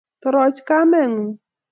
toroch kame ng'ung'